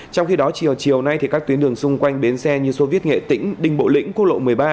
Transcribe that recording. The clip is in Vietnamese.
trong khi đó chiều nay các tuyến đường xung quanh bến xe như sô viết nghệ tĩnh đinh bộ lĩnh cô lộ một mươi ba